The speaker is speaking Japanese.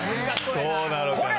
そうなのかな。